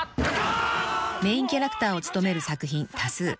［メインキャラクターを務める作品多数］